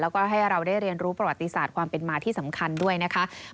แล้วก็ให้เราได้เรียนรู้ประวัติศาสตร์ความเป็นมาที่สำคัญด้วยนะคะ